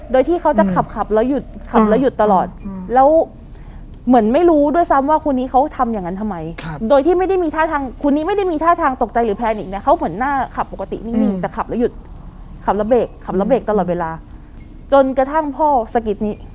โดยที่เขาจะขับขับแล้วหยุดขับแล้วหยุดตลอดแล้วเหมือนไม่รู้ด้วยซ้ำว่าคนนี้เขาทำอย่างนั้นทำไมโดยที่ไม่ได้มีท่าทางคนนี้ไม่ได้มีท่าทางตกใจหรือแพนิกนะเขาเหมือนหน้าขับปกตินิ่งแต่ขับแล้วหยุดขับรถเบรกขับรถเบรกตลอดเวลาจนกระทั่งพ่อสกิดนี้